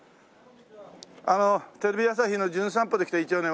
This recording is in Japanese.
あのテレビ朝日の『じゅん散歩』で来た一応ね